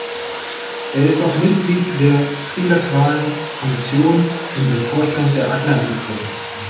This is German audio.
Er ist auch Mitglied der Trilateralen Kommission und im Vorstand der Atlantik-Brücke.